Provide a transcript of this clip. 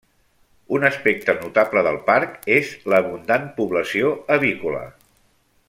Un aspecte notable del parc és l'abundant població avícola.